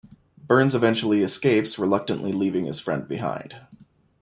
Burns eventually escapes reluctantly leaving his friend behind.